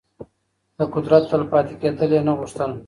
د قدرت تل پاتې کېدل يې نه غوښتل.